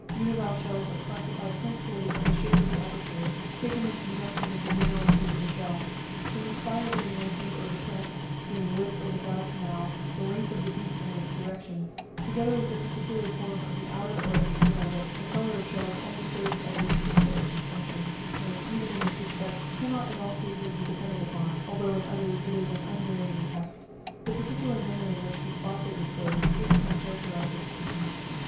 Univalve shells are classified principally from the shape of the aperture, taken in conjunction with the general shape of the shell; from the spire being lengthened or depressed, being with or without a canal, the length of the beak and its direction, together with the particular form of the outer or external lip: the colour of shells only serves as a specific distinction, and, even in this respect, cannot in all cases be depended upon, although, in others, it is an unvarying test. The particular manner in which the spots are disposed, frequently characterizes species.